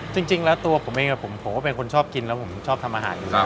จริงจริงแล้วตัวผมเอิ่งกับผมผมว่าเป็นคนชอบกินแล้วผมชอบทำอาหาร